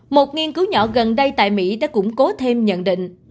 một nghiên cứu nhỏ gần đây tại mỹ đã củng cố thêm nhận định